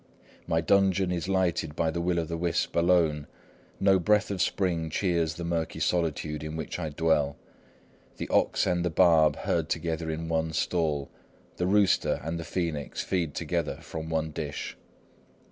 "My dungeon is lighted by the will o' the wisp alone: no breath of spring cheers the murky solitude in which I dwell. The ox and the barb herd together in one stall: the rooster and the phoenix feed together from one dish.